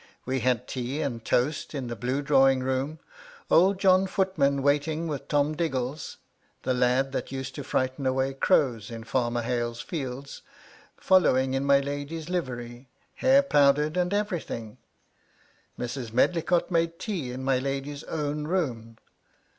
We * had tea and toast in the blue drawing room, old John * Footman waiting, with Tom Diggles, the lad that * used to frighten away crows in Farmer Hale's fields, * following in my lady's livery, hair powdered and * everything. Mrs. Medlicott made tea in my lady's *own room.